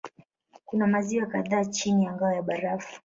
Kuna maziwa kadhaa chini ya ngao ya barafu.